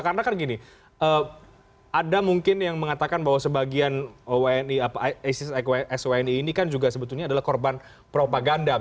karena kan gini ada mungkin yang mengatakan bahwa sebagian asis dan soni ini kan juga sebetulnya adalah korban propaganda